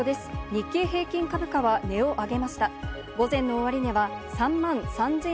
日経平均株価は値を上げました。